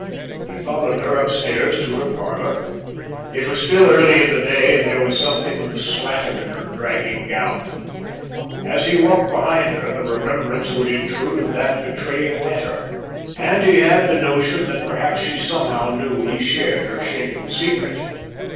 He followed her upstairs to her parlour. It was still early in the day and there was something of the slattern in her dragging gown. As he walked behind her, the remembrance would intrude of that betraying letter, and he had the notion that perhaps she somehow knew he shared her shameful secret.